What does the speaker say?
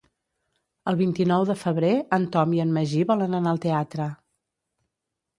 El vint-i-nou de febrer en Tom i en Magí volen anar al teatre.